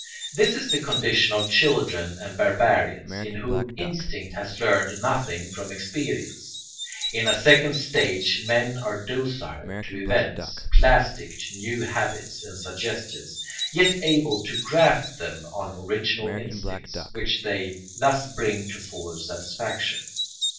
This is the condition of children and barbarians, in whom instinct has learned nothing from experience. In a second stage men are docile to events, plastic to new habits and suggestions, yet able to graft them on original instincts, which they thus bring to fuller satisfaction.